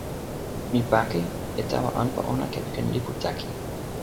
mi pake e tawa anpa ona kepeken lipu taki.